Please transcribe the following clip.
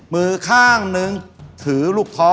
มือข้างนึงถือลูกท้อ